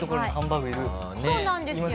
そうなんですよ。